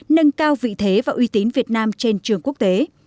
nâng cao vị thế và uy tín việt nam trên trường quốc tế